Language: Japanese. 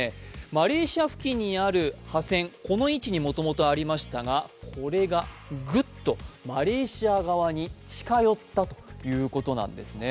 マレーシア付近にある波線、この位置にもともとありましたが、グッとマレーシア側に近寄ったということなんですね。